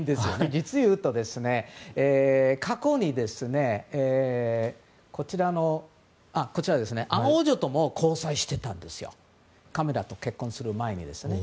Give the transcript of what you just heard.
実をいうと、過去にアン王女とも交際してたんですよカミラと結婚する前に。